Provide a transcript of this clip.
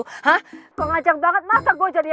hah pengajar banget masak gue jadinya